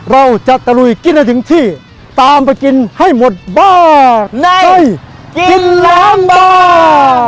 เราจะตะลุยกินให้ถึงที่ตามไปกินให้หมดบ้าในกินล้างบาง